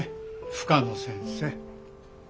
深野先生。